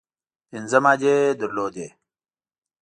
پنځه مادې لرلې.